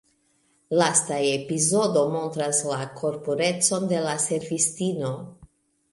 Lasta epizodo montras la korpurecon de la servistino.